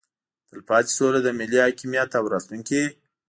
تلپاتې سوله د ملي حاکمیت او راتلونکي